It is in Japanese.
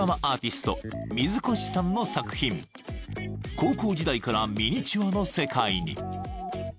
［高校時代からミニチュアの世界に］